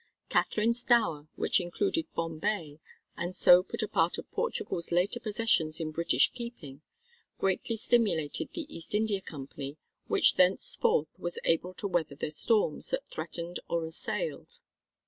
Catherine's dower, which included Bombay and so put a part of Portugal's later possessions in British keeping, greatly stimulated the East India Company which thenceforth was able to weather the storms that threatened or assailed.